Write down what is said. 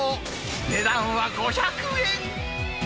値段は５００円。